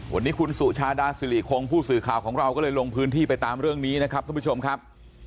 วันนี้คุณสุชาดาสิริคงผู้สื่อข่าวของเราก็เลยลงพื้นที่ไปตามเรื่องนี้นะครับท่านผู้ชมครับ